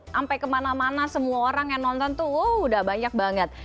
sampai kemana mana semua orang yang nonton tuh udah banyak banget